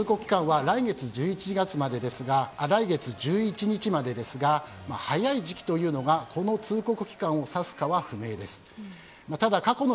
今回の通告期間は来月１１日までですが早い時期というのが、この通告期間を指すかは不明です。